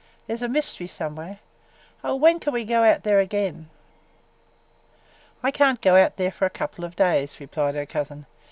There 's a mystery somewhere! Oh, when can we go out there again?" "I can't go for a couple of days," replied her cousin.